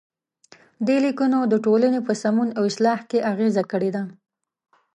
دې لیکنو د ټولنې په سمون او اصلاح کې اغیزه کړې ده.